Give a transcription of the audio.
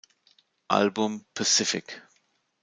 Album "pacific".